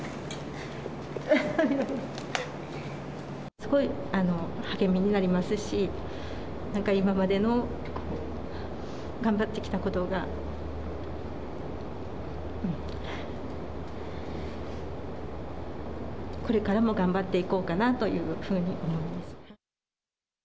すごい励みになりますし、なんか今までの頑張ってきたことが、これからも頑張っていこうかなというふうに思います。